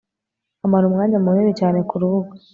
amara umwanya munini cyane kurubuga